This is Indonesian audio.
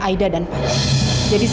mereka sama diri